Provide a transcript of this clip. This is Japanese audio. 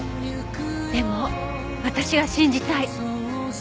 でも私は信じたい。